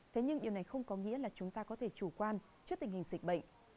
thế nhưng điều này không có nghĩa là chúng ta có thể chủ quan trước tình hình dịch bệnh